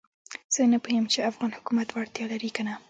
زه نه پوهېږم چې افغان حکومت وړتیا لري کنه.